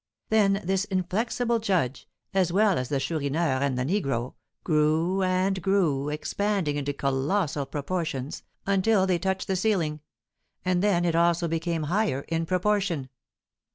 Then this inflexible judge, as well as the Chourineur and the negro, grew and grew, expanding into colossal proportions, until they touched the ceiling; and then it also became higher in proportion.